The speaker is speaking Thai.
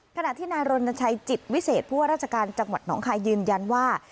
ขณะที่นายรณชัยจิตวิเศษผู้ว่าราชการจังหวัดหนองคายยืนยันว่า